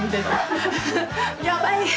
やばい！